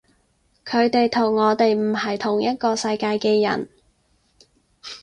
佢哋同我哋唔係同一個世界嘅人